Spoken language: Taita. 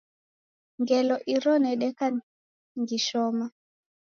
Ngelo iro nedeka ngishoma